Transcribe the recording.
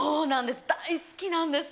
大好きなんです。